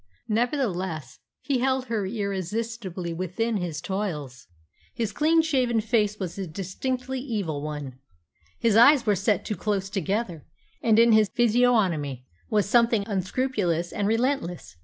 Nevertheless, he held her irresistibly within his toils. His clean shaven face was a distinctly evil one. His eyes were set too close together, and in his physiognomy was something unscrupulous and relentless.